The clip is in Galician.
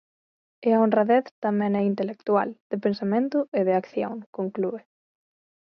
"E a honradez tamén é intelectual, de pensamento e de acción", conclúe.